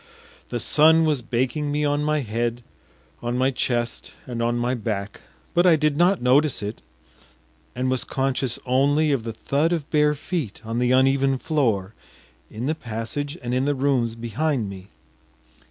The sun was baking me on my head, on my chest, and on my back, but I did not notice it, and was conscious only of the thud of bare feet on the uneven floor in the passage and in the rooms behind me.